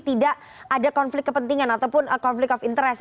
tidak ada konflik kepentingan ataupun konflik of interest